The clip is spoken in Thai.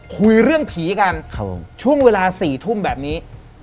คุยเรื่องผีกันช่วงเวลา๔ทุ่มแบบนี้